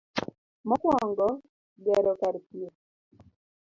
Mokwongo, gero kar thieth,